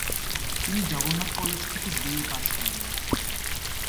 তিনি জগন্নাথ কলেজ থেকে বিএ পাশ করেন।